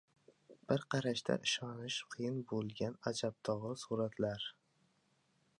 Bir qarashda ishonish qiyin bo‘lgan ajabtovur suratlar